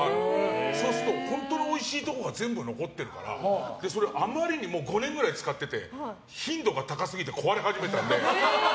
そうすると本当のおいしいところが全部残ってるからあまりに５年ぐらい使ってるから頻度が高すぎて壊れ始めたので。